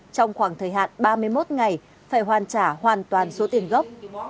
trong khoảng thời hạn ba mươi một ngày phải hoàn trả hoàn toàn số tiền gốc